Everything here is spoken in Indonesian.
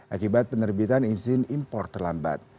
akibat penerbitan izin impor terlambat